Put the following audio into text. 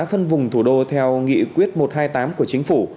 phân vùng thủ đô theo nghị quyết một trăm hai mươi tám của chính phủ